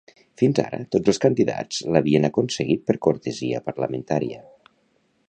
Fins ara, tots els candidats l'havien aconseguit per cortesia parlamentària.